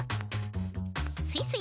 スイスイ。